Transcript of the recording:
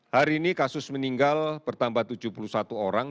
hari ini kasus meninggal bertambah tujuh puluh satu orang